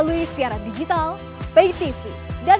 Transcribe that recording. kending kendingnya partainya pak jokowi juga